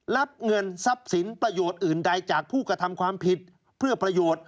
รับเงินทรัพย์สินประโยชน์อื่นใดจากผู้กระทำความผิดเพื่อประโยชน์